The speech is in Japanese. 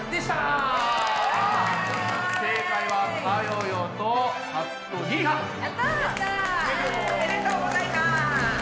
おめでとうございます。